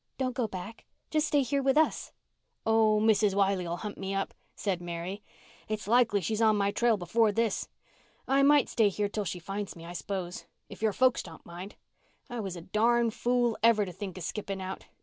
"Don't go back. Just stay here with us." "Oh, Mrs. Wiley'll hunt me up," said Mary. "It's likely she's on my trail before this. I might stay here till she finds me, I s'pose, if your folks don't mind. I was a darn fool ever to think of skipping out.